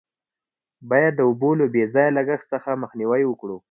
باید د اوبو له بې ځایه لگښت څخه مخنیوی وکړو.